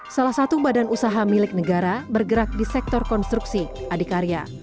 salah satu badan usaha milik negara bergerak di sektor konstruksi adikarya